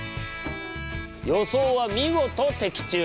予想は見事的中！